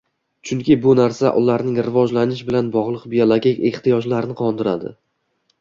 chunki bu narsa ularning rivojlanish bilan bog‘liq biologik ehtiyojlarini qondiradi.